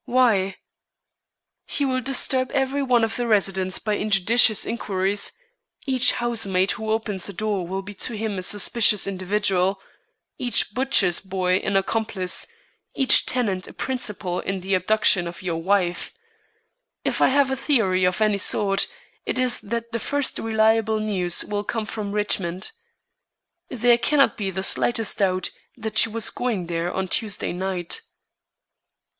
"Why?" "He will disturb every one of the residents by injudicious inquiries. Each housemaid who opens a door will be to him a suspicious individual, each butcher's boy an accomplice, each tenant a principal in the abduction of your wife. If I have a theory of any sort, it is that the first reliable news will come from Richmond. There cannot be the slightest doubt that she was going there on Tuesday night."